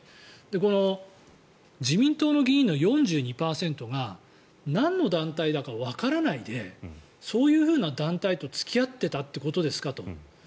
この自民党の議員の４２％がなんの団体だかわからないでそういうふうな団体と付き合っていたということですかと。